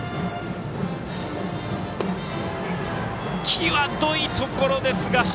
際どいところですが。